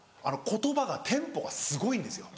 言葉がテンポがすごいんですよ。